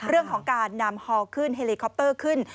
เรื่องของการนำฮอลขึ้นเฮลิคอปเตอร์ขึ้น